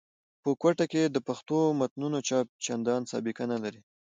په کوټه کښي د پښتو متونو چاپ چندان سابقه نه لري.